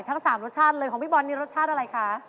ทั้ง๓รสชาติเลยของพี่บอลนี่รสชาติอะไรคะ